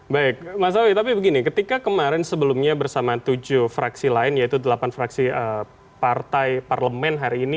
baik mas awi tapi begini ketika kemarin sebelumnya bersama tujuh fraksi lain yaitu delapan fraksi partai parlemen hari ini